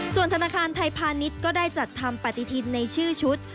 ส่วนธนาคารไทยพาณิชย์ก็ได้จัดทำปฏิทินในชื่อชุด